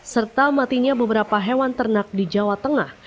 serta matinya beberapa hewan ternak di jawa tengah